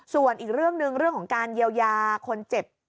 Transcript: ส่วนอีกเรื่องหนึ่งเรื่องของการเยียวยาคนเจ็บ